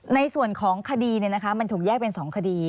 ในส่วนของคดีมันถูกแยกเป็น๒คดี